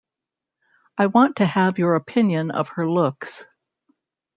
I want to have your opinion of her looks.